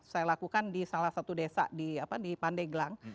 saya lakukan di salah satu desa di pandeglang